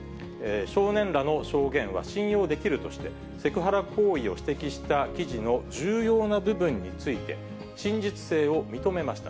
少年らの証言は信用できるとして、セクハラ行為を指摘した記事の重要な部分について、真実性を認めました。